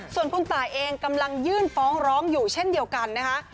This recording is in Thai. ส่วนคุณตายเองกำลังยื่นฟ้องร้องอยู่เช่นเดียวกันนะคะ